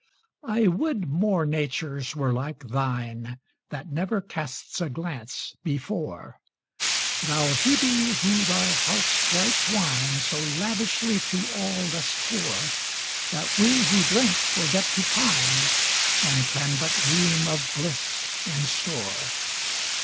I would more natures were like thine, That never casts a glance before, Thou Hebe, who thy heart's bright wine So lavishly to all dost pour, That we who drink forget to pine, And can but dream of bliss in store.